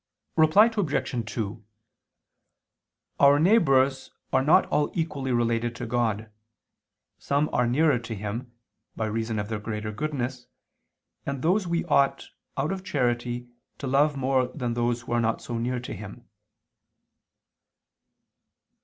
Reply Obj. 2: Our neighbors are not all equally related to God; some are nearer to Him, by reason of their greater goodness, and those we ought, out of charity, to love more than those who are not so near to Him.